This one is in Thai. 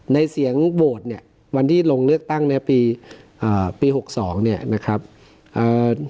ในเสียงโหวตเนี่ยวันที่ลงเลือกตั้งเนี่ยปีอ่าปีหกสองเนี่ยนะครับเอ่อ